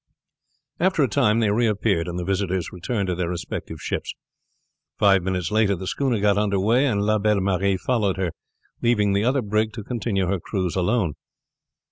After a time they reappeared, and the visitors returned to their respective ships. Five minutes later the schooner got under way, and La Belle Marie followed her, leaving the other brig to continue her cruise alone.